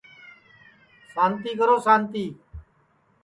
سانتی کرو سانتی